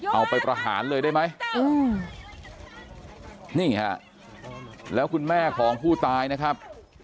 เอาไปประหารเลยได้ไหมนี่ฮะแล้วคุณแม่ของผู้ตายนะครับ